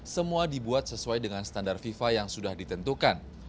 semua dibuat sesuai dengan standar fifa yang sudah ditentukan